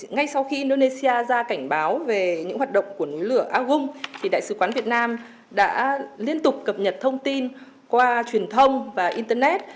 ngay sau khi indonesia ra cảnh báo về những hoạt động của núi lửa agum thì đại sứ quán việt nam đã liên tục cập nhật thông tin qua truyền thông và internet